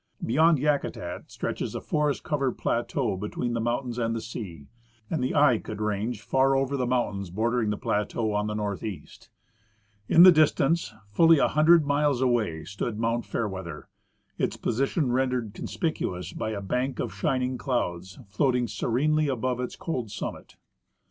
Beyond Yakutat stretches a forest covered plateau between the mountains and the sea, and the eye could range far over the mountains bordering this jjlateau on the northeast. In the distance, fully a hundred miles away, stood Mount Fair weather, its position rendered conspicuous by a bank of shining clouds floating serenely above its cold summit.